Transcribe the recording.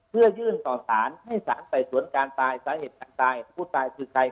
เพื่อยื่นต่อสารให้สารไต่สวนการตายสาเหตุการตายผู้ตายคือใคร